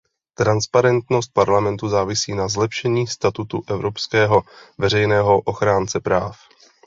Transparentnost Parlamentu závisí na zlepšení statutu Evropského veřejného ochránce práv.